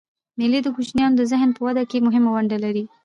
مېلې د کوچنيانو د ذهن په وده کښي مهمه ونډه لري.